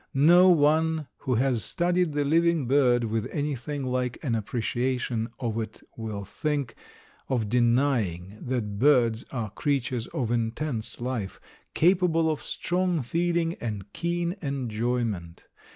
No one who has studied the living bird with anything like an appreciation of it will think of denying that birds are creatures of intense life, capable of strong feeling and keen enjoyment.